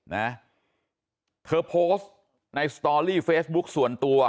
นะเธอโพสต์ในสตอรี่เฟซบุ๊คส่วนตัว